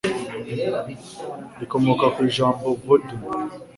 rikomoka ku ijambo vodun,